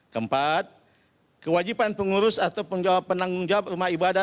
keempat kewajiban pengurus atau penanggung jawab rumah ibadah